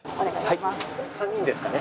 ３人ですかね？